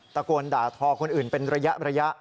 ตะโกนด่าทอคนอื่นเป็นระยะ